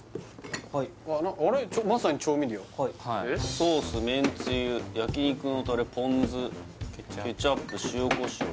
ソースめんつゆ焼き肉のタレポン酢ケチャップ塩こしょう